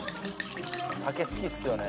「酒好きっすよね」